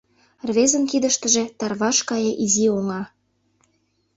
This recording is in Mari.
Рвезын кидыштыже тарваш гае изи оҥа.